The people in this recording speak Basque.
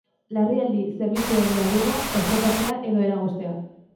Larrialdi zerbitzuen jarduna oztopatzea edo eragoztea.